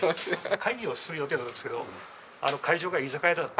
会議をする予定だったんですけど会場が居酒屋だった。